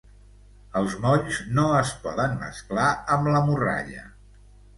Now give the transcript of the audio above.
Els molls no es poden mesclar amb la morralla.